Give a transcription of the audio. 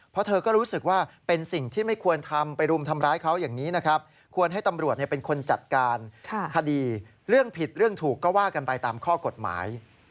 เพราะเธอก็รู้สึกว่าเป็นสิ่งที่ไม่ควรทำไปรุมทำร้ายเขาอย่างนี้นะครับควรให้ตำรวจเป็นคนจัดการคดีเรื่องผิดเรื่องถูกก็ว่ากันไปตามข้อกฎหมาย